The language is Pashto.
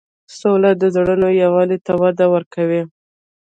سوله د زړونو یووالی ته وده ورکوي.